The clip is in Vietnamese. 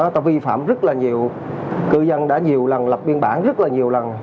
nó vi phạm rất là nhiều cư dân đã nhiều lần lập biên bản rất là nhiều lần